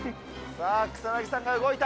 さあ、草薙さんが動いた。